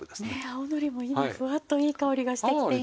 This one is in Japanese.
青のりも今ふわっといい香りがしてきています。